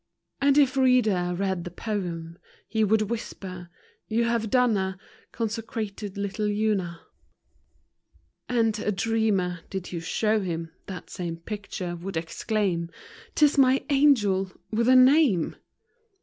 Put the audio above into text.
And if reader read the poem, He would whisper, "You have done a Consecrated little Una !" And a dreamer (did you show him That same picture) would exclaim " 'T is my angel, with a name